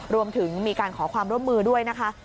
รวมถึงมีการขอความร่วมมือด้วยนะคะ